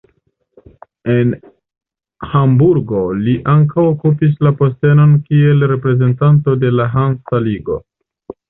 En Hamburgo li ankaŭ okupis la postenon kiel reprezentanto de la Hansa ligo.